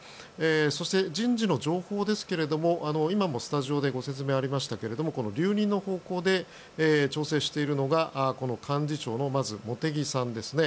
そして、人事の情報ですが今もスタジオでご説明がありましたが留任の方向で調整しているのが幹事長のまず茂木さんですね。